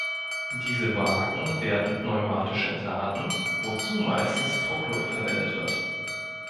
Diese Wagen werden pneumatisch entladen, wozu meistens Druckluft verwendet wird.